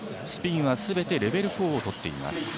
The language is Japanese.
スピンはすべてレベル４をとっています。